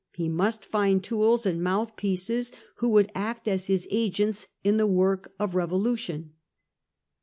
He must find tools and mouthpieces who would act as his agents in the work of revolution.